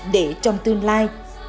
để trong tương lai